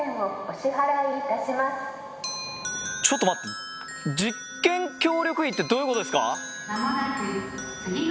ちょっと待って実験協力費ってどういうことですか？